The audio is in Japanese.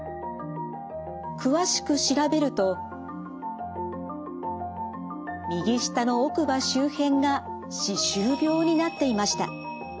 詳しく調べると右下の奥歯周辺が歯周病になっていました。